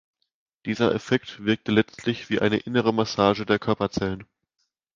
Dieser Effekt wirke letztlich wie eine innerliche Massage der Körperzellen.